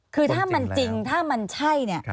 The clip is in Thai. คือถ้ามันจริงถ้ามันใช่